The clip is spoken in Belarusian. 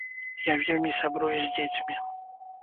Я вельмі сябрую з дзецьмі.